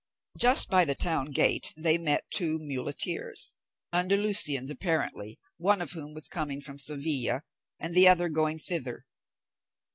Just by the town gate they met two muleteers, Andalusians apparently, one of whom was coming from Seville, and the other going thither.